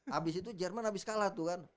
habis itu jerman habis kalah tuh kan